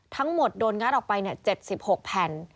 ทั้งหมดโดนงัดออกไป๗๖แผ่น